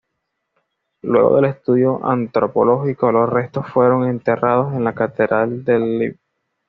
Luego del estudio antropológico, los restos fueron enterrados en la Catedral de Lviv.